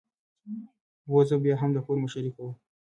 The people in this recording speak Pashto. وزه بيا هم د کور مشرۍ کوي.